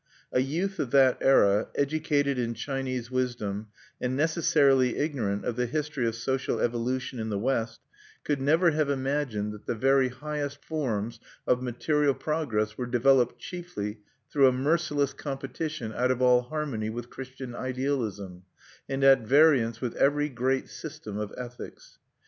A youth of that era, educated in Chinese wisdom, and necessarily ignorant of the history of social evolution in the West, could never have imagined that the very highest forms of material progress were developed chiefly through a merciless competition out of all harmony with Christian idealism, and at variance with every great system of ethics.